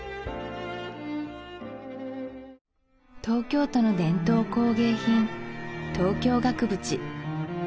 東京都の伝統工芸品東京額縁